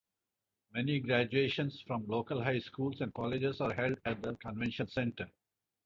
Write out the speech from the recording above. Many graduations from local high schools and colleges are held at the convention center.